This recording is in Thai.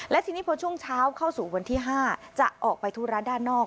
และทีนี้พอช่วงเช้าเข้าสู่วันที่๕จะออกไปธุระด้านนอก